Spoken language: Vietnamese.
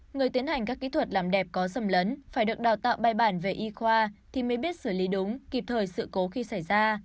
người tiến hành các kỹ thuật làm đẹp có dầm lấn phải được đào tạo bài bản về y khoa thì mới biết xử lý đúng kịp thời sự cố khi xảy ra